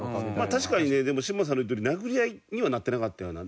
確かにねでも嶋佐の言うとおり殴り合いにはなってなかったような。